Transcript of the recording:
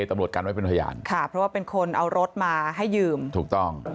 ตำรวจกันไว้เป็นพยานค่ะเพราะว่าเป็นคนเอารถมาให้ยืมถูกต้อง